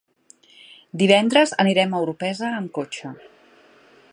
Divendres anirem a Orpesa amb cotxe.